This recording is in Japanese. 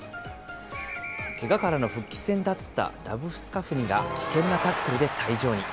けがからの復帰戦だったラブスカフニが危険なタックルで退場に。